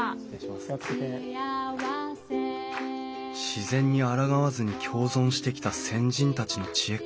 自然にあらがわずに共存してきた先人たちの知恵か。